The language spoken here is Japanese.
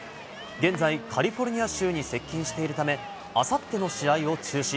現在、カリフォルニア州に接近しているため、あさっての試合を中止。